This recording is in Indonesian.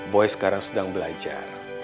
boy sekarang sedang belajar